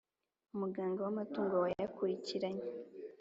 Umuganga w amatungo wayakurikiranye